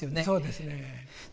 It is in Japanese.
そうですね。